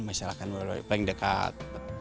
misalkan yang dekat